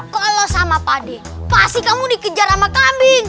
kalau sama pak d pasti kamu dikejar sama kambing